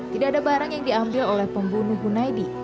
tidak ada barang yang diambil oleh pembunuh hunaidi